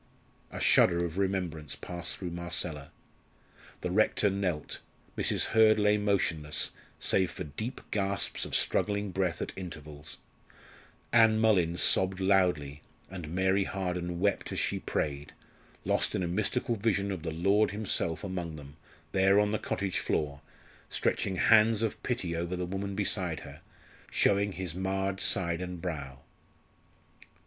A shudder of remembrance passed through Marcella. The rector knelt; Mrs. Hurd lay motionless, save for deep gasps of struggling breath at intervals; Ann Mullins sobbed loudly; and Mary Harden wept as she prayed, lost in a mystical vision of the Lord Himself among them there on the cottage floor stretching hands of pity over the woman beside her, showing His marred side and brow.